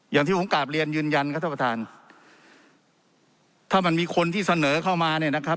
อย่างที่ผมกลับเรียนยืนยันครับท่านประธานถ้ามันมีคนที่เสนอเข้ามาเนี่ยนะครับ